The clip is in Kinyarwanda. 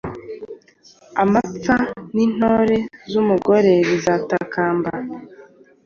Amapfa nintore zumugore bizatakamba.